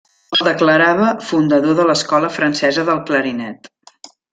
El declarava fundador de l'Escola francesa del clarinet.